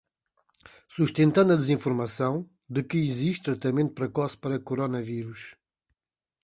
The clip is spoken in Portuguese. Sustentando a desinformação de que existe tratamento precoce para coronavírus